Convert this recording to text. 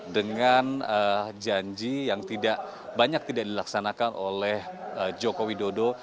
dengan janji yang banyak tidak dilaksanakan oleh jokowi dodo